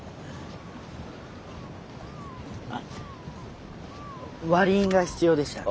あっ割り印が必要でした。